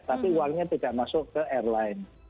tapi uangnya tidak masuk ke airline